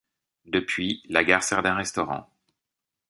Depuis, la gare sert d’un restaurant.